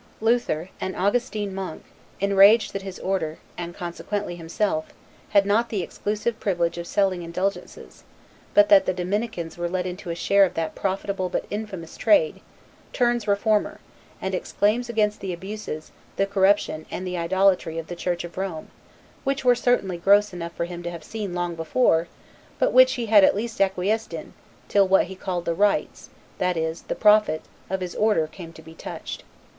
Luther, an Augustine monk, enraged that his order, and consequently himself, had not the exclusive privilege of selling indulgences, but that the Dominicans were let into a share of that profitable but infamous trade, turns reformer, and exclaims against the abuses, the corruption, and the idolatry, of the church of Rome; which were certainly gross enough for him to have seen long before, but which he had at least acquiesced in, till what he called the rights, that is, the profit, of his order came to be touched.